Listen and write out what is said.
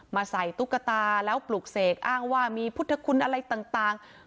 ใส่ตุ๊กตาแล้วปลูกเสกอ้างว่ามีพุทธคุณอะไรต่าง